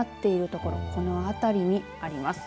この辺りにあります。